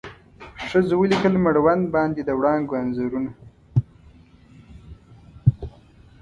ښځو ولیکل مړوند باندې د وړانګو انځورونه